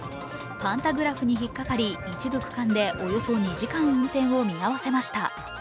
パンタグラフに引っ掛かり、一部区間でおよそ２時間運転を見合わせました